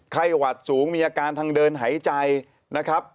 ไข้หวัดสูงมีอาการทางเดินหายใจนะครับ